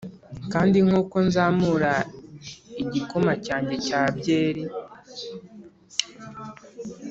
kandi nkuko nzamura igikoma cyanjye cya byeri